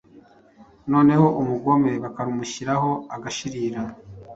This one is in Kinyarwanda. noneho umugome bakarumushyiraho agashirira.